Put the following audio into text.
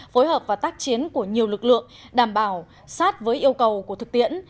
phối hợp và tác chiến của nhiều lực lượng đảm bảo sát với yêu cầu của thực tiễn